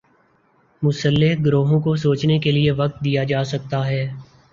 مسلح گروہوں کو سوچنے کے لیے وقت دیا جا سکتا ہے۔